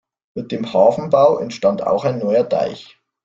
Mit dem Hafenbau entstand auch ein neuer Deich.